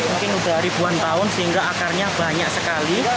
mungkin sudah ribuan tahun sehingga akarnya banyak sekali